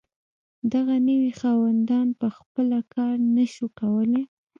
دغه نوي خاوندان په خپله کار نشو کولی.